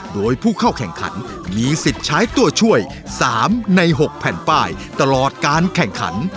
โดยผู้เข้าแข่งขันมีสิทธิ์ใช้ตัวช่วย๓ใน๖แผ่นป้ายตลอดการแข่งขัน